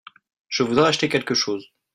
Je voudrais acheter quelque chose.